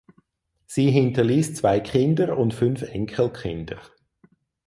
Sie hinterließ zwei Kinder und fünf Enkelkinder.